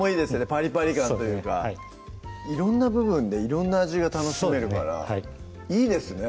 パリパリ感というか色んな部分で色んな味が楽しめるからいいですね